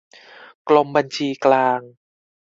กรมบัญชีกลาง